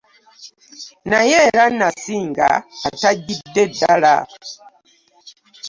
Naye era nasinga atajjidde ddala.